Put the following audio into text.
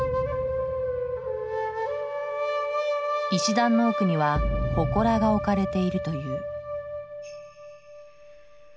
石段の奥には祠が置かれているという。